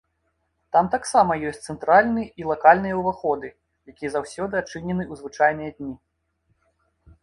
Там таксама ёсць цэнтральны і лакальныя ўваходы, якія заўсёды адчынены ў звычайныя дні.